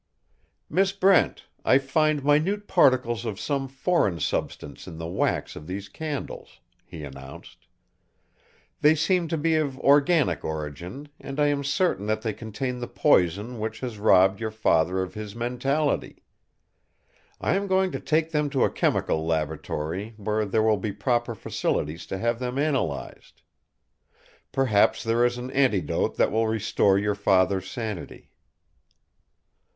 "Miss Brent, I find minute particles of some foreign substance in the wax of these candles," he announced. "They seem to be of organic origin and I am certain that they contain the poison which has robbed your father of his mentality. I am going to take them to a chemical laboratory where there will be proper facilities to have them analyzed. Perhaps there is an antidote that will restore your father's sanity."